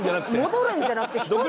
戻るんじゃなくて１人で。